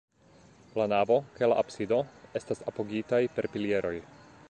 La navo kaj la absido estas apogitaj per pilieroj.